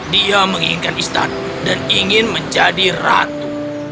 dia menginginkan istana dan ingin menjadi ratu